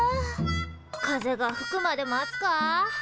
風がふくまで待つか。